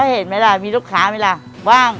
เห็นไหมล่ะมีลูกค้าไหมล่ะว่าง